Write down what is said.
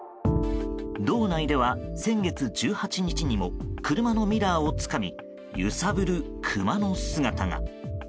道内では先月１８日にも車のミラーをつかみ揺さぶるクマの姿が。